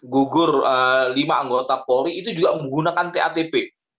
gugur lima anggota polri itu juga menggunakan tatp